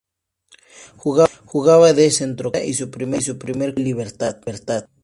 Jugaba de centrocampista y su primer club fue Libertad.